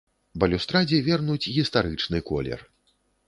Балюстрадзе вернуць гістарычны колер.